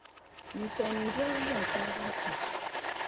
Ninsalinima dolibu n-zaŋ chaŋ din tuhi.